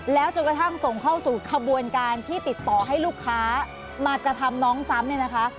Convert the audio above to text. แล้วจนกระทั่งส่งเข้าสู่ขบวนการที่ติดต่อให้ลูกค้ามากระทำน้องซ้ำเนี่ยนะคะ